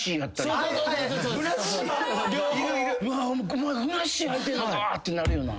お前ふなっしーはいてんのかってなるよな。